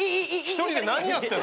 一人で何やってんの？